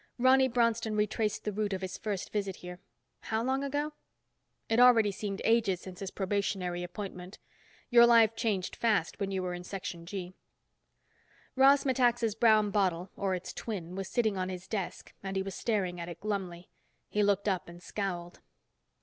Ronny Bronston retraced the route of his first visit here. How long ago? It already seemed ages since his probationary appointment. Your life changed fast when you were in Section G. Ross Metaxa's brown bottle, or its twin, was sitting on his desk and he was staring at it glumly. He looked up and scowled.